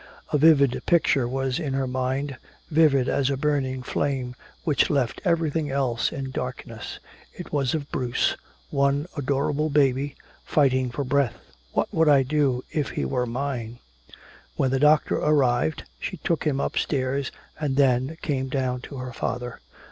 A vivid picture was in her mind, vivid as a burning flame which left everything else in darkness. It was of Bruce, one adorable baby, fighting for breath. "What would I do if he were mine?" When the doctor arrived she took him upstairs and then came down to her father.